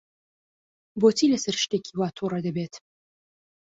بۆچی لەسەر شتێکی وا تووڕە دەبێت؟